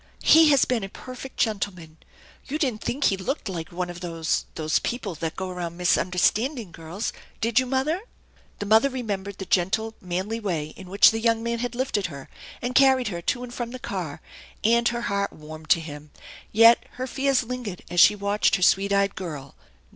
He has been a perfect gentleman. You didn't think he looked like one of those those people that go around misunder standing girls, did you mother?" The mother remembered the gentle, manly way in which the young man had lifted her and carried her to and from THE ENCHANTED BARN 139 the car, and her heart warmed to him. Yet her fears lingered as she watched her sweet eyed girl.